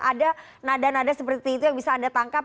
ada nada nada seperti itu yang bisa anda tangkap